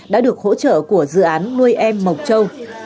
đã được hỗ trợ của dự án nuôi em mộc châu